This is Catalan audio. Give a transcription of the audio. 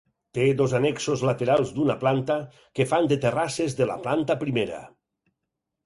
Té dos annexos laterals d’una planta, que fan de terrasses de la planta primera.